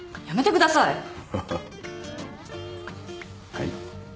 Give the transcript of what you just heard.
はい。